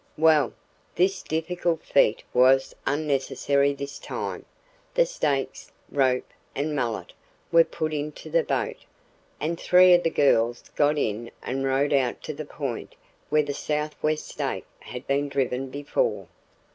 Well, this difficult feat was unnecessary this time. The stakes, rope, and mallet were put into the boat, and three of the girls got in and rowed out to the point where the southwest stake had been driven before.